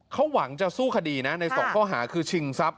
เขาหวังจะสู้คดีนะในสองข้อหาคือชิงทรัพย